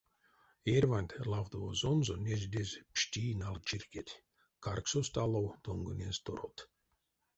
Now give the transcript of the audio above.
Эрьванть лавтовозонзо нежедезь пшти налчирькеть, карксост алов тонгонезь торот.